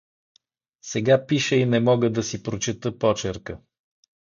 Сега пиша и не мога да си прочета почерка.